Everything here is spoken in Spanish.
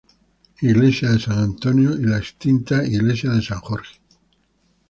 Iglesia San Antonio y la extinta Iglesia San Jorge.